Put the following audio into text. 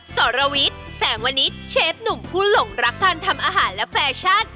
สรวิทย์แสงวนิดเชฟหนุ่มผู้หลงรักการทำอาหารและแฟชั่น